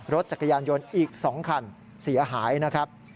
รถจักรยานยนต์อีก๒คันเสียหายนะครับ